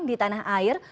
di tanah air